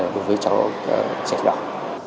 đối với cho chết đoạn